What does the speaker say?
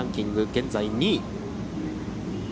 現在２位。